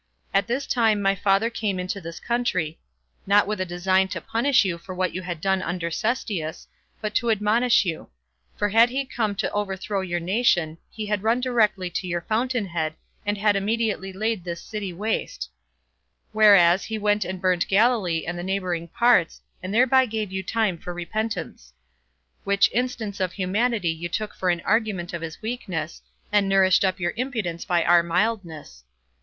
At this time my father came into this country, not with a design to punish you for what you had done under Cestius, but to admonish you; for had he come to overthrow your nation, he had run directly to your fountain head, and had immediately laid this city waste; whereas he went and burnt Galilee and the neighboring parts, and thereby gave you time for repentance; which instance of humanity you took for an argument of his weakness, and nourished up your impudence by our mildness.